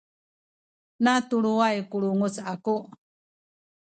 natuluway ku lunguc aku